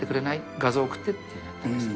画像送ってって言ったんです。